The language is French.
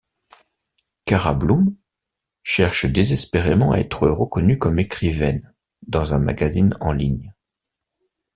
Cara Bloom cherche désespérément à être reconnue comme écrivaine dans un magazine en ligne.